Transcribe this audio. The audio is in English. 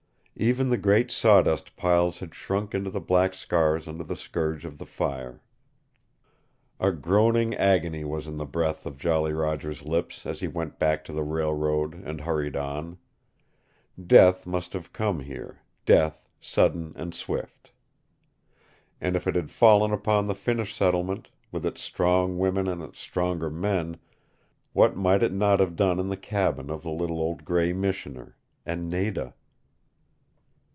Even the great sawdust piles had shrunk into black scars under the scourge of the fire. A groaning agony was in the breath of Jolly Roger's lips as he went back to the railroad and hurried on Death must have come here, death sudden and swift. And if it had fallen upon the Finnish settlement, with its strong women and its stronger men, what might it not have done in the cabin of the little old gray Missioner and Nada?